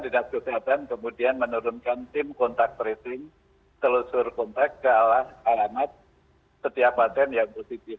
dinas kesehatan kemudian menurunkan tim kontak tracing telusur kontak ke alamat setiap pasien yang positif